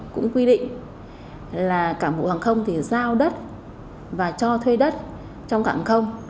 cũng quy định là cảng vụ hàng không thì giao đất và cho thuê đất trong cảng hàng không